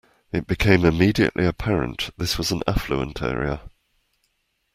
It became immediately apparent this was an affluent area.